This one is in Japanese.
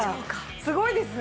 すごいですね。